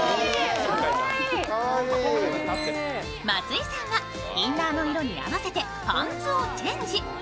松井さんは、インナーの色に合わせてパンチをチェンジ。